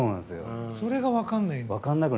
それが分からないか。